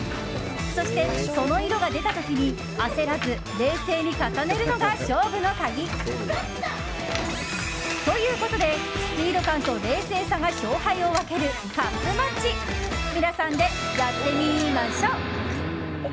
そして、その色が出た時に焦らず冷静に重ねるのが勝負の鍵。ということで、スピード感と冷静さが勝敗を分けるカップマッチ皆さんでやってみましょう！